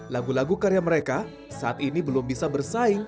lagu lagu karya mereka saat ini belum bisa bersaing